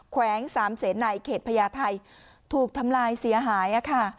แขวง๓เสนไหนเขตพญาไทยถูกทำลายเสียหายอะค่ะ